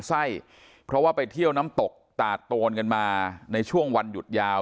ไส้เพราะว่าไปเที่ยวน้ำตกตาดโตนกันมาในช่วงวันหยุดยาว